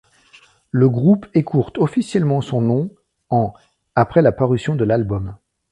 Le groupe écourte officiellement son nom en après la parution de l'album.